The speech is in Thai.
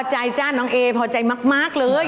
ใจจ้ะน้องเอพอใจมากเลย